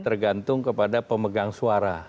tergantung kepada pemegang suara